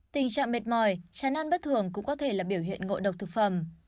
tình trạng mệt mỏi tràn ăn bất thường cũng có thể là biểu hiện ngộ độc thực phẩm